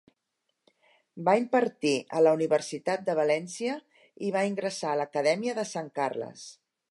Va impartir a la Universitat de València i va ingressar a l'Acadèmia de Sant Carles.